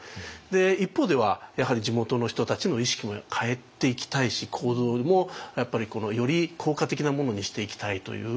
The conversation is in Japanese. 一方ではやはり地元の人たちの意識も変えていきたいし行動もより効果的なものにしていきたいという。